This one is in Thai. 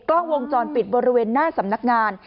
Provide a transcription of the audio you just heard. กล้องวงจรปิดบริเวณหน้าสำนักงาน